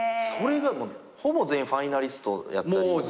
それがほぼ全員ファイナリストやったり。